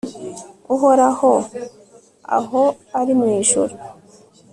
uhoraho, aho ari mu ijuru